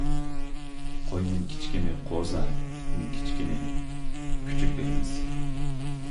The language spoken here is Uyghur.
قوينىڭ كىچىكىنى قوزا، ئىتنىڭ كىچىكىنى كۈچۈك دەيمىز.